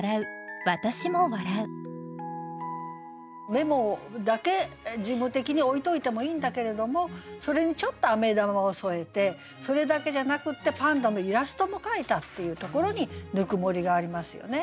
メモだけ事務的に置いといてもいいんだけれどもそれにちょっとアメ玉を添えてそれだけじゃなくてパンダのイラストも描いたっていうところにぬくもりがありますよね。